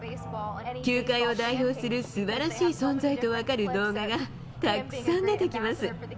球界を代表するすばらしい存在と分かる動画が、たくさん出てきます。